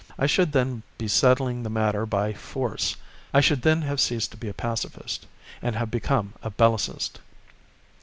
I should then be settling the matter by force I should then have ceased to be a Pacifist, and have become a Bellicist.